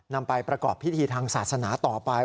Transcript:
นำไปประกอบพิธีทางศาสนาต่อไป